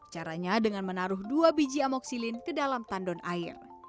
caranya dengan menaruh dua biji amoksilin ke dalam tandon air